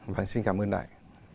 vâng xin cảm ơn đại